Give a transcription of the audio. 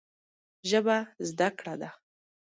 ژبه زده کړه ده